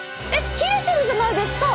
切れてるじゃないですか？